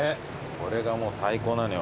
これがもう最高なのよ。